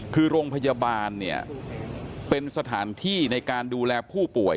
คือโรงพยาบาลเนี่ยเป็นสถานที่ในการดูแลผู้ป่วย